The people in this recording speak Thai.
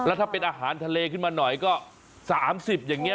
แล้วถ้าเป็นอาหารทะเลขึ้นมาหน่อยก็๓๐อย่างนี้